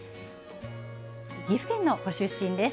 岐阜県のご出身です。